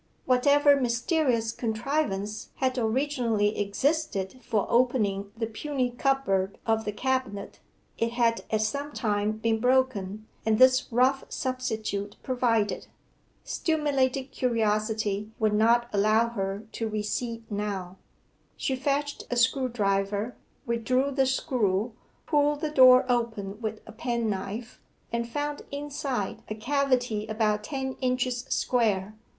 Whatever mysterious contrivance had originally existed for opening the puny cupboard of the cabinet, it had at some time been broken, and this rough substitute provided. Stimulated curiosity would not allow her to recede now. She fetched a screwdriver, withdrew the screw, pulled the door open with a penknife, and found inside a cavity about ten inches square.